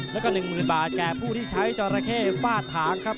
และก็๑๐๐๐๐บาทแก่ผู้ที่ใช้เจาะระเข้สอง